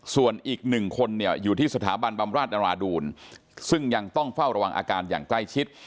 ส่วนอีกหนึ่งคนเนี่ยอยู่ที่สถาบันบำราชนราดูลซึ่งยังต้องเฝ้าระวังอาการอย่างใกล้ชิด